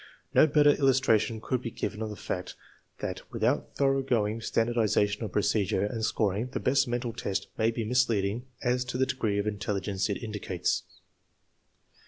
No better illustra tion could be given of the fact that without thoroughgoing standardization of procedure and scoring the best mental test may be misleading as to the degree of intelligence it indicates.